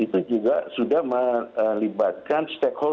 itu juga sudah melibatkan